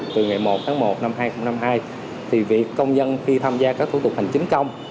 từ ngày một tháng một năm hai nghìn hai mươi hai thì việc công nhân khi tham gia các thủ tục hành chính công